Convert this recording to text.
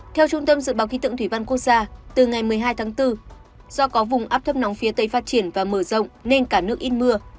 theo trung tâm dự báo khí tượng thủy văn quốc gia từ ngày một mươi hai tháng bốn do có vùng áp thấp nóng phía tây phát triển và mở rộng nên cả nước ít mưa